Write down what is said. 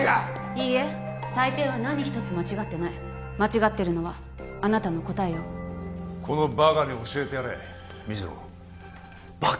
いいえ採点は何一つ間違ってない間違ってるのはあなたの答えよこのバカに教えてやれ水野バカ？